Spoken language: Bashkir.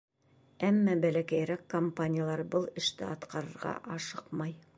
Әммә бәләкәйерәк компаниялар был эште атҡарырға ашыҡмай.